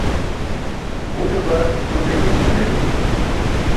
Ġuṭe bar ġuṭe i̇mi̇ye leel ećo.